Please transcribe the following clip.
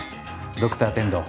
ドクター天堂。